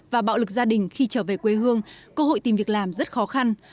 và bạo lực gia đình khi trở về quê hương cơ hội tìm việc làm rất khó khăn